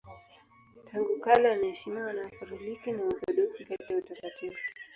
Tangu kale anaheshimiwa na Wakatoliki na Waorthodoksi kati ya watakatifu.